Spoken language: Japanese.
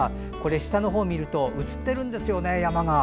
下を見ると映ってるんですよね、山が。